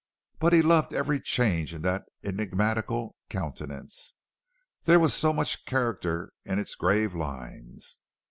But he loved every change in that enigmatical countenance, there was so much character in its grave lines.